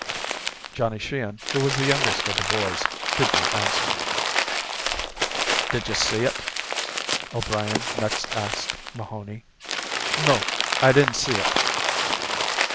Johnny Sheehan, who was the youngest of the boys, did not answer. "Did you see ut?" O'Brien next asked Mahoney. "No, I didn't see ut."